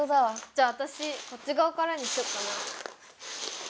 じゃあわたしこっちがわからにしよっかな。